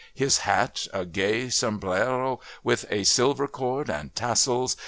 his hat, a gay sombrero with a silver cord and tassels.